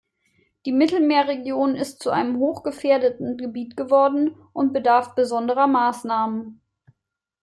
Die Mittelmeerregion ist zu einem hochgefährdeten Gebiet geworden und bedarf besonderer Maßnahmen.